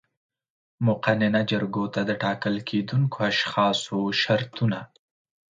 مقننه جرګو ته د ټاکل کېدونکو اشخاصو شرطونه